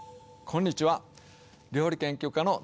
こんにちは。